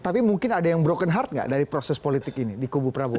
tapi mungkin ada yang broken heart nggak dari proses politik ini di kubu prabowo